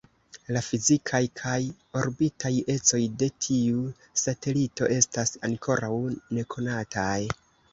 La fizikaj kaj orbitaj ecoj de tiu satelito estas ankoraŭ nekonataj.